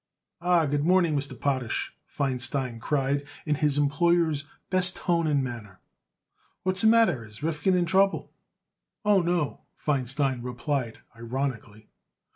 "Ah, good morning, Mr. Potash," Feinstein cried in his employer's best tone and manner. "What's the matter? Is Rifkin in trouble?" "Oh, no," Feinstein replied ironically.